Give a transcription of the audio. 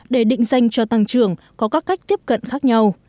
để định danh cho tăng trưởng có các cách tiếp cận khác nhau